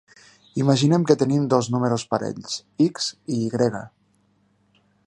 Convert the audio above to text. Imaginem que tenim dos números enters parells "x" i "y".